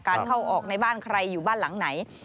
เข้าออกในบ้านใครอยู่บ้านหลังไหน